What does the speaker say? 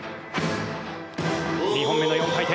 ２本目の４回転。